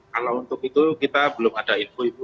kalau untuk itu kita belum ada info ibu